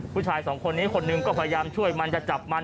ผู้ชายสองคนนี้คนหนึ่งก็พยายามช่วยมันจะจับมัน